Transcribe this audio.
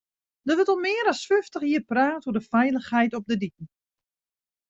Der wurdt al mear as fyftich jier praat oer de feilichheid op de diken.